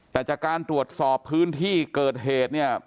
แต่จากการตรวจสอบพื้นที่เกิดเหตุเนี่ย